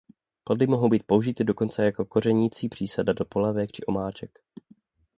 Plody mohou být použity dokonce jako kořenící přísada do polévek či omáček.